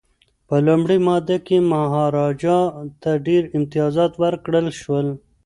په لومړۍ ماده کي مهاراجا ته ډیر امتیازات ورکړل شول.